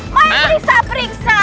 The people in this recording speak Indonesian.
maik periksa periksa